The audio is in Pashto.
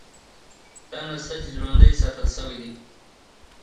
دا نسج ژوندي ساتل شوی دی.